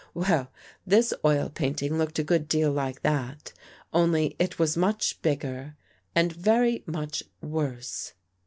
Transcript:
Well, this oil painting looked a good deal like that, only it was much bigger and very much worse.